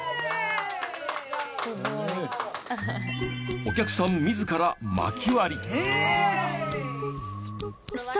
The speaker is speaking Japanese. お客さん自らまき割り。